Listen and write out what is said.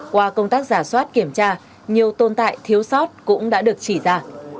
qua công tác giả soát kiểm tra nhiều tồn tại thiếu sót cũng đã được chỉ ra